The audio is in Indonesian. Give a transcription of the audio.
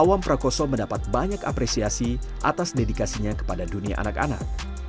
awam prakoso mendapat banyak apresiasi atas dedikasinya kepada dunia anak anak